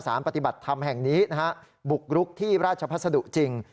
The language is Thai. ปฏิบัติธรรมแห่งนี้นะฮะบุกรุกที่ราชพัสดุจริง